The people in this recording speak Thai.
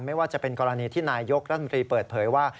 ไม่ว่าจะเป็นกรณีที่นายยกรัฐมนตรีเปิดเผยว่า